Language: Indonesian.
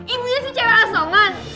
ibu nya si cewek asongan